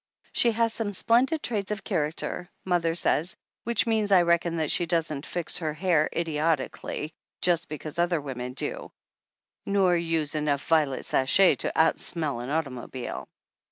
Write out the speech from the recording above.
She has some splendid traits of character, mother says, which means I reckon that she doesn't fix her hair idiotically just because other women do, nor use enough violet sachet to out smell an automobile.